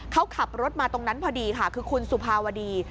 เขาขับรถมาตรงนั้นพอดีค่ะคือคุณสุภาวดี